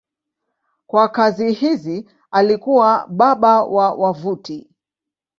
Kwa kazi hizi alikuwa baba wa wavuti.